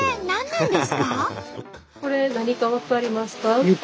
これ何か分かりますか？